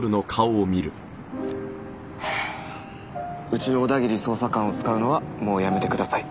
うちの小田切捜査官を使うのはもうやめてください。